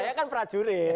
saya kan prajurit